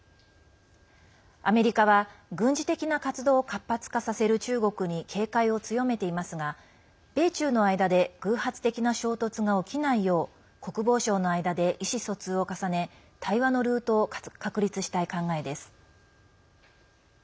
アメリカは軍事的な活動を活発化させる中国に警戒を強めていますが米中の間で偶発的な衝突が起きないよう国防相の間で意思疎通を重ね対話のルートを確立したい考えです。